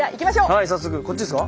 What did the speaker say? はい早速こっちですか？